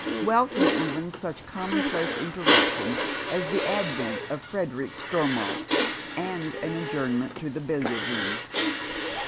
Welcome even such commonplace interruption as the advent of Frederick Stormont, and an adjournment to the billiard room.